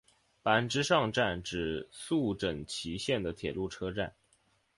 坂之上站指宿枕崎线的铁路车站。